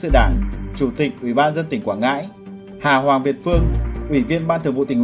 sự đảng chủ tịch ủy ban dân tỉnh quảng ngãi hà hoàng việt phương ủy viên ban thường vụ tỉnh